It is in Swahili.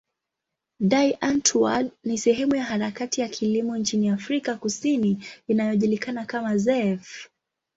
Die Antwoord ni sehemu ya harakati ya kilimo nchini Afrika Kusini inayojulikana kama zef.